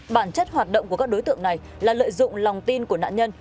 bản chất hoạt động của các đối tượng này là lợi dụng lòng tin của nạn nhân